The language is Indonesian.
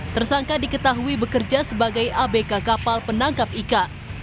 tersangka diketahui bekerja sebagai abk kapal penangkap ika